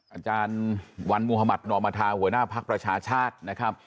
อาจารย์วันมุธมัธนอมธาหัวหน้าภักดิ์ประชาชาตินะครับ